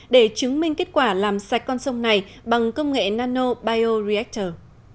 để chứng minh kết quả làm sạch con sông này bằng công nghệ nanobioreactor